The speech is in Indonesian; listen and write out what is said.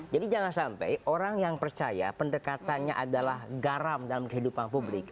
jadi jangan sampai orang yang percaya pendekatannya adalah garam dalam kehidupan publik